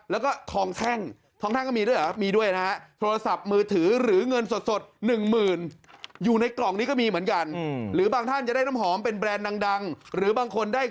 แล้วก็ทองแท่งทองแท่งก็มีด้วยหรอมีด้วยนะฮะ